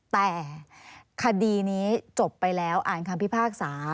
แต่คดีนี้จบไปแล้วอ่านคำพิพากษา